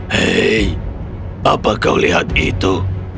hei apa kau lihat itu